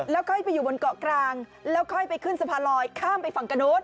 แล้วค่อยไปอยู่บนเกาะกลางแล้วค่อยไปขึ้นสะพานลอยข้ามไปฝั่งกระโน้น